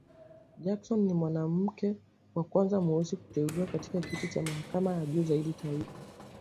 Jackson ni mwanamke wa kwanza mweusi kuteuliwa katika kiti cha mahakama ya juu zaidi ya taifa.